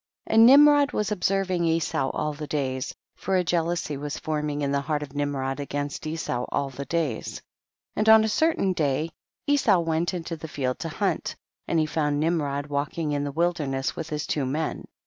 3. And Nimrod was observing Esau all the days, for a jealousy was formed in the heart of Nimrod against Esau all the days. 4. And on a certain day Esau went in the field to hunt, and he found Nimrod walking in the wilderness with his two men.